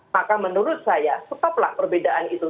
maka menurut saya tetaplah perbedaan itu